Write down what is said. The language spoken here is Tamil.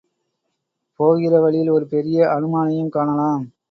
போகிற வழியில் ஒரு பெரிய அனுமானையும் காணலாம்.